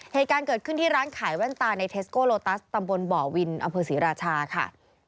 เหตุการณ์เกิดขึ้นที่ร้านขายแว่นตาในเทสโกโลตัสตำบลบ่อวินอำเภอศรีราชาค่ะ